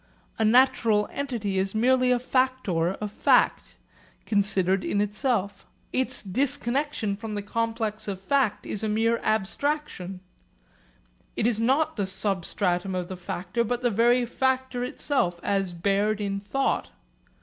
A natural entity is merely a factor of fact, considered in itself. Its disconnexion from the complex of fact is a mere abstraction. It is not the substratum of the factor, but the very factor itself as bared in thought.